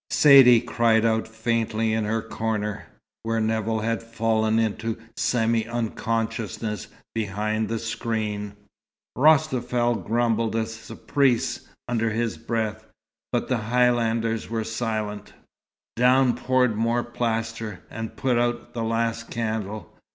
Saidee cried out faintly in her corner, where Nevill had fallen into semi unconsciousness behind the screen. Rostafel grumbled a "sapriste!" under his breath, but the Highlanders were silent. Down poured more plaster, and put out the last candle.